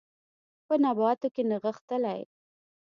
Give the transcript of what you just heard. په نباتو کې نغښتلي